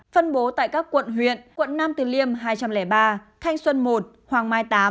phân bố tại các quận huyện quận nam từ liêm hai trăm linh ba thanh xuân một hoàng mai tám